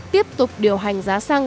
tiếp tục điều hành giá xăng